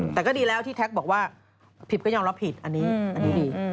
แต่ก็ดีแล้วที่แท็กบอกว่าผิดก็ยอมรับผิดอันนี้ดี